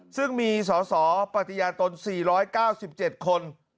ซึ่งมีสอสอปฏิญาตน๔๙๗คน